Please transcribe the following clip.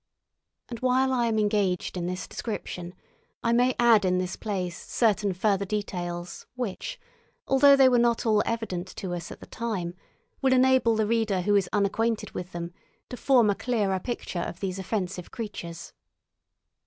And while I am engaged in this description, I may add in this place certain further details which, although they were not all evident to us at the time, will enable the reader who is unacquainted with them to form a clearer picture of these offensive creatures.